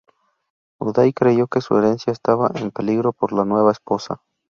Uday creyó que su herencia estaba en peligro por la nueva esposa.